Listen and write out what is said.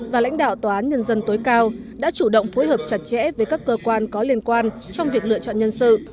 và lãnh đạo tòa án nhân dân tối cao đã chủ động phối hợp chặt chẽ với các cơ quan có liên quan trong việc lựa chọn nhân sự